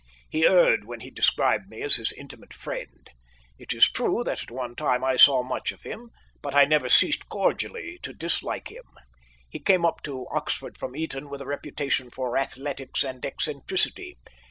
He erred when he described me as his intimate friend. It is true that at one time I saw much of him, but I never ceased cordially to dislike him. He came up to Oxford from Eton with a reputation for athletics and eccentricity.